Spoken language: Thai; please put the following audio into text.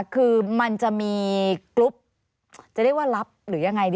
คือมันจะมีกรุ๊ปจะเรียกว่ารับหรือยังไง